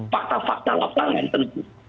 fakta fakta lapangan tentu